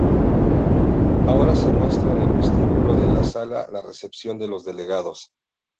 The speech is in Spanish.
Ahora se muestra en el vestíbulo de la sala de recepción de los delegados.